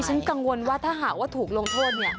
ฉันกังวลว่าถ้าหากว่าถูกลงโทษเนี่ย